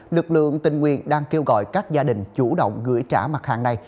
lực lượng tình nguyện đang kêu gọi các gia đình chủ động gửi trả mặt hàng này